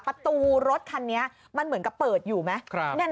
ประตูรถคันนี้มันเหมือนกับเปิดอยู่ไหม